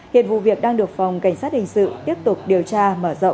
hiện vụ việc đang được phòng cảnh sát hình sự tiếp tục điều tra mở rộng để xử lý